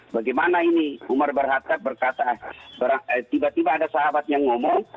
bagaimana ini umar bin hattaf berkata tiba tiba ada sahabatnya ngomong